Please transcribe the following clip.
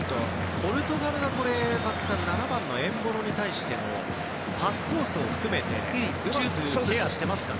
ポルトガルは７番のエンボロに対してパスコースを含めてうまくケアしてますよね。